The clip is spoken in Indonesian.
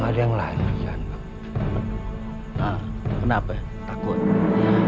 hai hai kenapa rai aku ngobrol saudarabecause how you doing guys